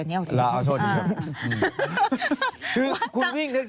เอาโทษดีค่ะ